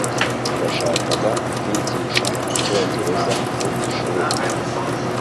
Yashakaga kwigisha icyongereza ku ishuri.